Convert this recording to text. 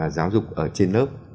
giáo dục ở trên lớp